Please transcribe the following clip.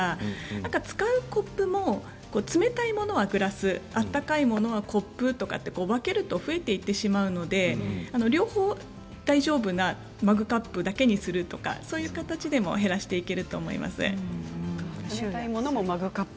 使うコップも冷たいものはグラス温かいものはコップと分けると増えていってしまうので両方大丈夫なマグカップだけにするとかそういう形でも減らしていけると思います。